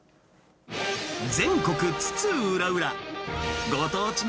全国津々浦々、ご当地麺